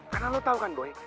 karena lo tau kan boy